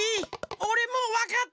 おれもうわかった！